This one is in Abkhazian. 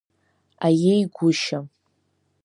Аиеи, гәышьа!